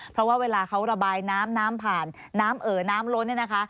เพราะว่าเวลาเขาระบายน้ำน้ำผ่านน้ำเอ่อน้ำล้นเนี่ยนะคะ